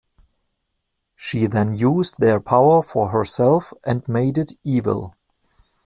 She then used their power for herself and made it evil.